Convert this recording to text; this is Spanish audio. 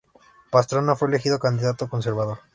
Pastrana fue elegido candidato conservador.